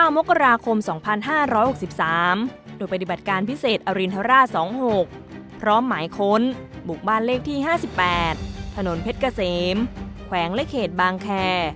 มกราคม๒๕๖๓โดยปฏิบัติการพิเศษอรินทราช๒๖พร้อมหมายค้นบุกบ้านเลขที่๕๘ถนนเพชรเกษมแขวงและเขตบางแค